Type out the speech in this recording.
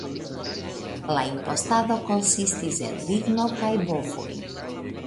La impostado konsistis el ligno kaj bovoj.